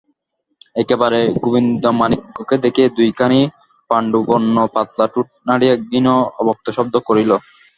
একবার গোবিন্দমাণিক্যকে দেখিয়াই দুইখানি পাণ্ডুবর্ণ পাতলা ঠোঁট নাড়িয়া ক্ষীণ অব্যক্ত শব্দ করিল।